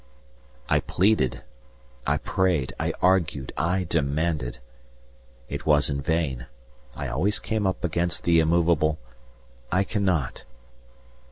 I pleaded, I prayed, I argued, I demanded. It was in vain; I always came up against the immovable "I cannot."